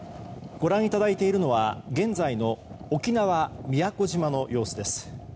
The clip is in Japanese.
ご覧いただいているのは現在の沖縄・宮古島の様子です。